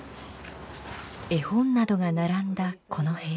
絵本などが並んだこの部屋。